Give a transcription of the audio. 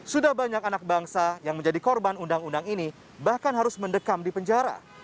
sudah banyak anak bangsa yang menjadi korban undang undang ini bahkan harus mendekam di penjara